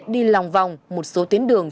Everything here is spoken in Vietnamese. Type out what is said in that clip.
đi lòng vòng một số tuyến đường